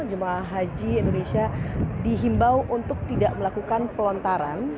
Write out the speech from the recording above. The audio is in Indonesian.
jemaah haji indonesia dihimbau untuk tidak melakukan pelontaran